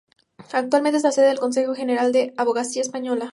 Actualmente es la sede del Consejo General de la Abogacía Española.